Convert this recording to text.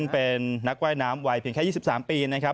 เป็นนักว่ายน้ำวัยเพียงแค่๒๓ปีนะครับ